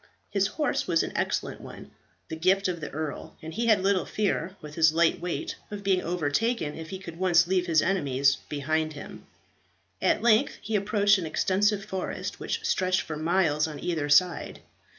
His horse was an excellent one, the gift of the earl, and he had little fear, with his light weight, of being overtaken, if he could once leave his enemies behind him. At length he approached an extensive forest, which stretched for miles on either side.